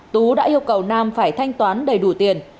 tú đã yêu cầu nam phải thanh toán đầy đủ tiền